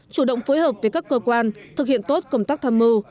chủ động phối hợp với các cơ quan thực hiện tốt công tác tham mưu